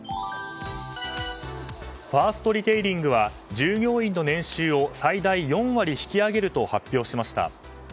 ファーストリテイリングは従業員の年収を最大４割引き上げると発表しました。